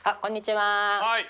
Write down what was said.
はい。